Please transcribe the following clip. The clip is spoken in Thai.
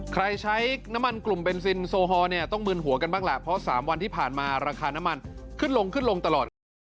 ใช้น้ำมันกลุ่มเบนซินโซฮอลเนี่ยต้องมึนหัวกันบ้างแหละเพราะ๓วันที่ผ่านมาราคาน้ำมันขึ้นลงขึ้นลงตลอดครับ